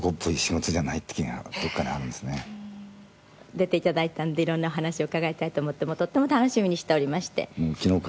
出て頂いたんで色んなお話を伺いたいと思ってもうとっても楽しみにしておりまして。